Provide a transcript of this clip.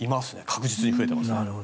確実に増えています。